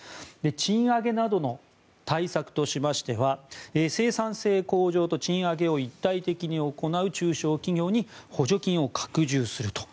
賃上げなどの対策としましては生産性向上と賃上げを一体的に行う中小企業に補助金を拡充すると。